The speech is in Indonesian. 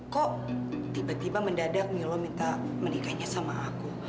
kok tiba tiba mendadak milo minta menikahnya sama aku